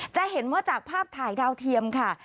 จะเห็นว่าจากภาพถ่ายดาวเทียมค่ะ